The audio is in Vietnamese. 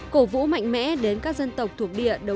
cổ vũ mạnh mẽ đến các dân tộc thuộc địa